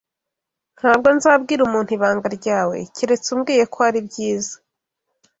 Ntabwo nzabwira umuntu ibanga ryawe keretse umbwiye ko ari byiza.